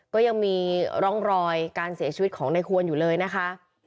ก็ยังมีร่องรอยการเสียชีวิตของในควรอยู่เลยนะคะ